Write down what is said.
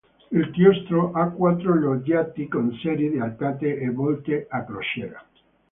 Il Chiostro ha quattro loggiati con serie di arcate e volte a crociera.